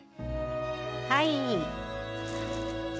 はい。